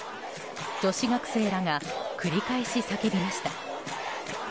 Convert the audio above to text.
女子学生らが繰り返し叫びました。